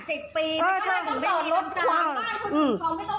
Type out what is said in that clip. สิบปีเพราะว่าหนูไม่มีรถฉลองว่าอืม